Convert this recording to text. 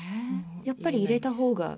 やっぱり入れた方が？